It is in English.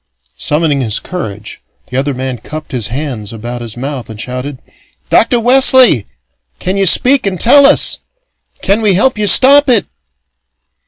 Summoning his courage, the other man cupped his hands about his mouth and shouted: "Dr. Wesley! Can you speak and tell us? Can we help you stop it?"